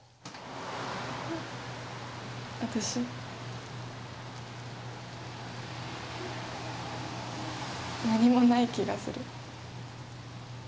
私、何もない気がする。